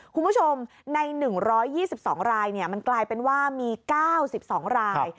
คุณผู้ชมใน๑๒๒รายมันกลายเป็นว่ามี๙๒ราย